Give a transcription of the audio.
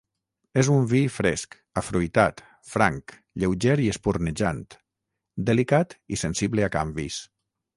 És un vi fresc, afruitat, franc, lleuger i espurnejant, delicat i sensible a canvis.